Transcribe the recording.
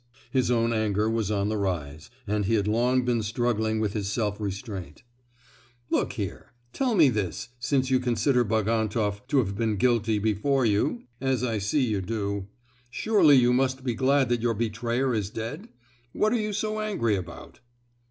His own anger was on the rise, and he had long been struggling with his self restraint. "Look here,—tell me this, since you consider Bagantoff to have been guilty before you (as I see you do) surely you must be glad that your betrayer is dead? What are you so angry about?"